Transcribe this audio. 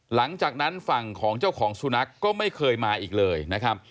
หลังจากนั้นฝั่งของเจ้าของสุนัขก็ไม่เคยมาอีกเลยนะครับ